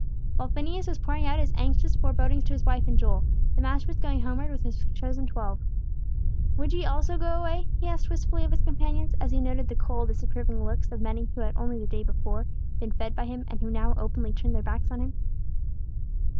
While Phineas was pouring out his anxious forebodings to his wife and Joel, the Master was going homeward with His chosen twelve. "Would ye also go away?" He asked wistfully of His companions, as He noted the cold, disapproving looks of many who had only the day before been fed by Him, and who now openly turned their backs on Him.